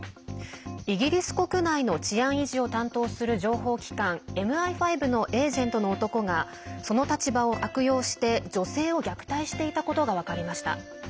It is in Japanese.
イギリス国内の治安維持を担当する情報機関ＭＩ５のエージェントの男がその立場を悪用して女性を虐待していたことが分かりました。